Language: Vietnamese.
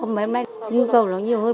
hôm nay nhu cầu nó nhiều hơn